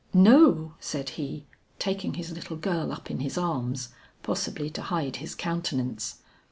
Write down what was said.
"No," said he, taking his little girl up in his arms, possibly to hide his countenance.